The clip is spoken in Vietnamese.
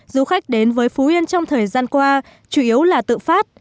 du khách đến với phú yên trong thời gian qua chủ yếu là tự phát